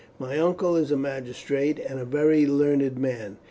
My uncle is a magistrate, and a very learned man.